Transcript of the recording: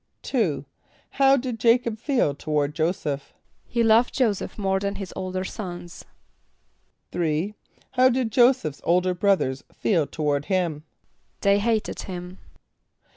= How did J[=a]´cob feel toward J[=o]´[s+]eph? =He loved J[=o]´[s+]eph more than his older sons.= =3.= How did J[=o]´[s+]eph's older brothers feel toward him? =They hated him.